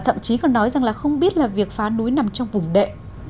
thậm chí còn nói rằng là không biết là việc phá núi nằm trong vùng đệ